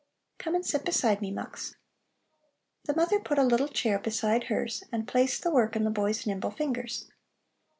Come and sit beside me, Mux." The mother put a little chair beside hers and placed the work in the boy's nimble fingers.